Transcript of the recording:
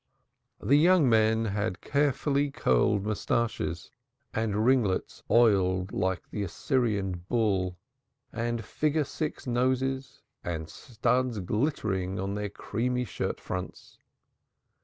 The young men had carefully curled moustaches and ringlets oiled like the Assyrian bull, and figure six noses, and studs glittering on their creamy shirt fronts.